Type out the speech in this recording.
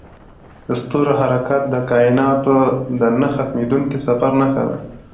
د ستورو حرکت د کایناتو د نه ختمیدونکي سفر نښه ده.